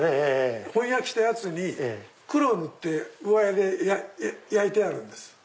本焼きしたやつに黒を塗って焼いてあるんです。